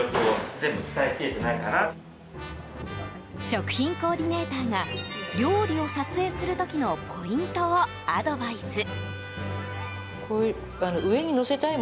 食品コーディネーターが料理を撮影する時のポイントをアドバイス。